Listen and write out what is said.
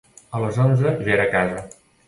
A les onze ja era a casa.